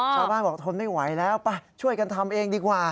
ชาวบ้านบอกทนไม่ไหวแล้วไปช่วยกันทำเองดีกว่า